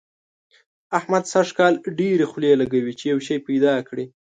احمد سږ کال ډېرې خولې لګوي چي يو شی پيدا کړي.